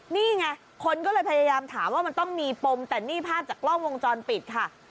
นี่ไงคนก็เลยพยายามถามว่ามันต้องมีปมแต่นี่ภาพจากกล้องวงจรปิดค่ะ